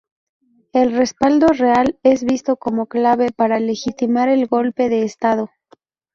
El respaldo real es visto como clave para legitimar el golpe de Estado.